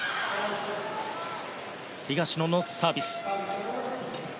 東野のサービス。